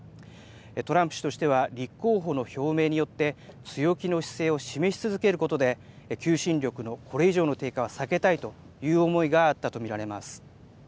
トランプ氏としては立候補の表明によって強気の姿勢を示し続けることで求心力のこれ以上の低下は避けたいという思いがあったと見られます。